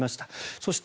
そして